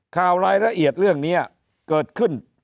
ข่าวรายละเอียดเรื่องนี้เกิดขึ้น